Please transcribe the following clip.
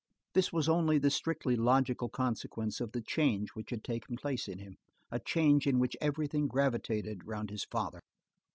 This was only the strictly logical consequence of the change which had taken place in him, a change in which everything gravitated round his father.